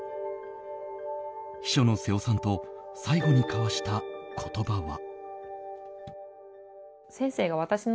秘書の瀬尾さんと最後に交わした言葉は。